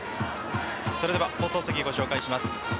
それでは放送席をご紹介します。